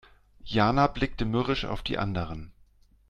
Jana blickte mürrisch auf die anderen.